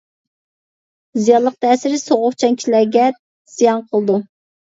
زىيانلىق تەسىرى سوغۇقچان كىشىلەرگە زىيان قىلىدۇ.